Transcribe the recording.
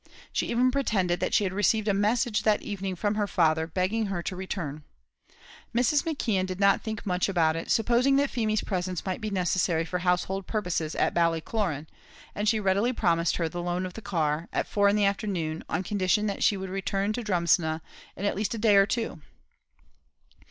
She even pretended that she had received a message that evening from her father, begging her return. Mrs. McKeon did not think much about it, supposing that Feemy's presence might be necessary for household purposes at Ballycloran, and she readily promised her the loan of the car, at four in the afternoon, on condition that she would return to Drumsna at least in a day or two.